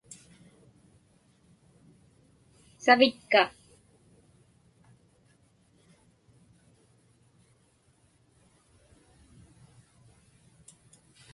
savitka